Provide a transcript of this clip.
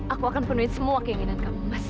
aku akan penuhi semua keinginan kamu